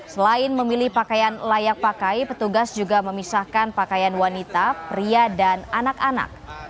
selain memilih pakaian layak pakai petugas juga memisahkan pakaian wanita pria dan anak anak